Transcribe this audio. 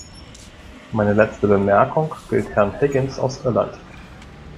Meine letzte Bemerkung gilt Herrn Higgins aus Irland.